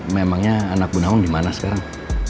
memangnya anak bu nawang dimana sekarang